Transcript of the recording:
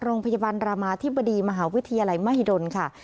โรงพยาบาลรามาธิบดีมหาวิทยาลัยมหิดลค่ะ